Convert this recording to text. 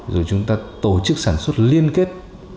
rồi chúng ta tổ chức sản xuất liên kết